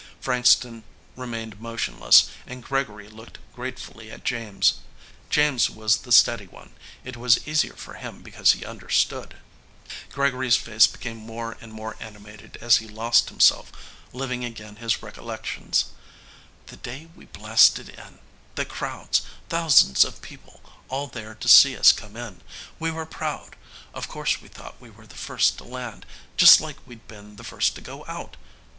Frankston remained motionless and Gregory looked gratefully at James. James was the steady one. It was easier for him because he understood. Gregory's face became more and more animated as he lost himself, living again his recollections: "The day we blasted in. The crowds. Thousands of people, all there to see us come in. We were proud. Of course, we thought we were the first to land, just like we'd been the first to go out.